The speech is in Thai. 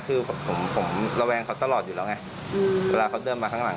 คือผมผมระแวงเขาตลอดอยู่แล้วไงเวลาเขาเดินมาข้างหลัง